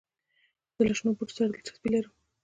زه له شنو بوټو سره دلچسپي لرم.